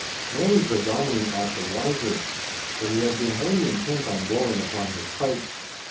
Nor was the Dominie aught the wiser. For he had been wholly intent on blowing upon his pipes.